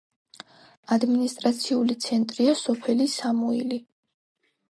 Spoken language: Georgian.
ადმინისტრაციული ცენტრია სოფელი სამუილი.